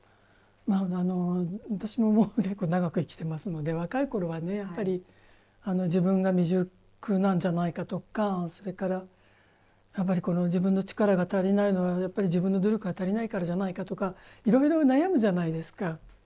私も結構長く生きてますので若い頃は自分が未熟なんじゃないかとかそれから自分の力が足りないのは自分の努力が足りないからじゃないかとかいろいろ悩むじゃないですか。